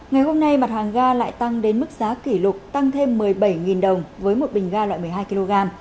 ngày hôm nay mặt hàng ga lại tăng đến mức giá kỷ lục tăng thêm một mươi bảy đồng với một bình ga loại một mươi hai kg